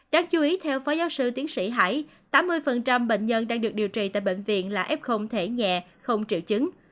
đáng chú ý theo phó giáo sư tiến sĩ hải tám mươi bệnh nhân đang được điều trị tại bệnh viện là f thể nhẹ không triệu chứng